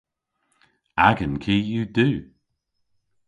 Agan ki yw du.